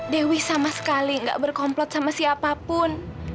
dewi sama sekali gak berkomplot sama siapapun